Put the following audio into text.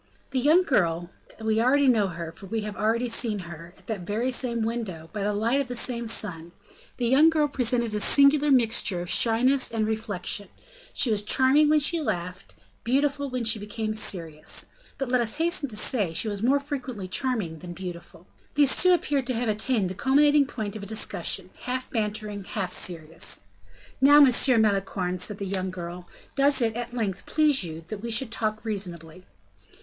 The young girl we know her, for we have already seen her, at that very same window, by the light of that same sun the young girl presented a singular mixture of shyness and reflection; she was charming when she laughed, beautiful when she became serious; but, let us hasten to say, she was more frequently charming than beautiful. These two appeared to have attained the culminating point of a discussion half bantering, half serious. "Now, Monsieur Malicorne," said the young girl, "does it, at length, please you that we should talk reasonably?"